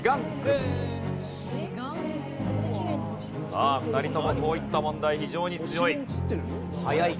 さあ２人ともこういった問題非常に強い。